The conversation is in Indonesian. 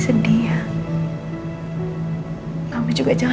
jadi nama ahli ver filtersworkung